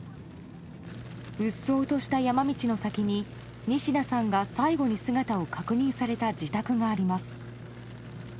うっそうとした山道の先に仁科さんが最後に姿を確認された自宅があります。